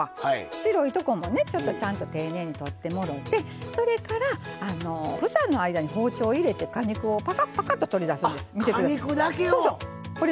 白いとこもちょっと、ちゃんと丁寧に取ってもろてそれから、房の間に包丁を入れて果肉をパカパカと取り出すんです。